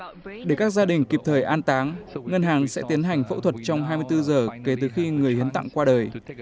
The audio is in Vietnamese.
để các gia đình kịp thời an táng ngân hàng sẽ tiến hành phẫu thuật trong hai mươi bốn giờ kể từ khi người hiến tặng qua đời